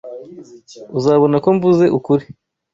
Uzabona ko mvuze ukuri.